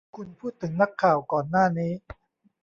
คุณพูดถึงนักข่าวก่อนหน้านี้ ?